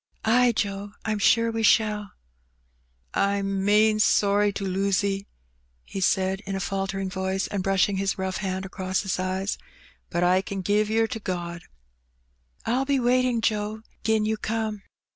" Ay, Joe, I*m sure we shall. "I*m main sorry to lose *e, he said in a faltering voice, and brushing his rough hand across his eyes; "but I ken give yer to God. " 1*11 be waiting, Joe, *gin you come.